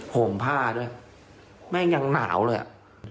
ห่มผ้าด้วยแม่งยังหนาวเลยอ่ะ